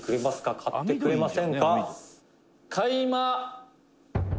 買ってくれませんか？」